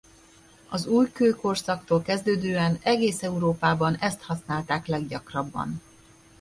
Az újkőkorszaktól kezdődően egész Európában ezt használták leggyakrabban.